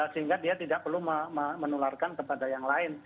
sehingga dia tidak perlu menularkan kepada yang lain